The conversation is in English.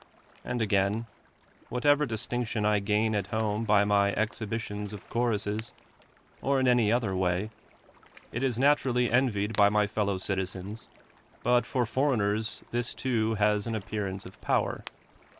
And again, whatever distinction I gain at home by my exhi bitions of choruses, or in any other way, it is naturally envied by my fellow citizens, but for foreigners this too has an appearance of power.